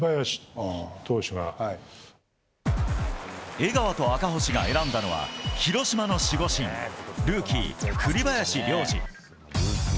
江川と赤星が選んだのは広島の守護神ルーキー、栗林良吏。